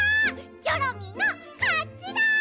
チョロミーのかちだ！